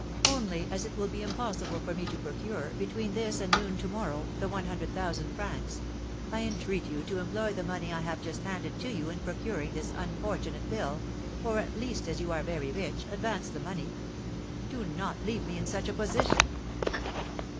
Only, as it will be impossible for me to procure, between this and noon to morrow, the one hundred thousand francs, I entreat you to employ the money I have just handed to you in procuring this unfortunate bill, or, at least, as you are very rich, advance the money. Do not leave me in such a position."